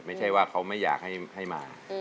ไม่ใช่ว่าเขาไม่อยากให้มา